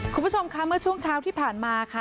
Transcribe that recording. คุณผู้ชมค่ะเมื่อช่วงเช้าที่ผ่านมาค่ะ